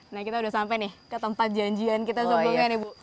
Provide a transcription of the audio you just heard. nah kita udah sampai nih ke tempat janjian kita sebelumnya nih bu